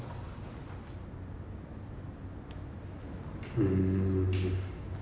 うん。